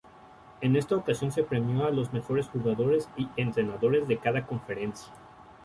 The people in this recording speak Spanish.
En esta ocasión se premió a los mejores jugadores y entrenadores de cada Conferencia.